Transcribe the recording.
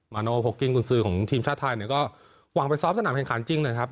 โนโพกิ้งกุญสือของทีมชาติไทยเนี่ยก็หวังไปซ้อมสนามแข่งขันจริงนะครับ